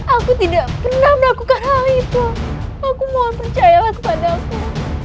aku tidak pernah melakukan hal itu aku mohon percaya kepada aku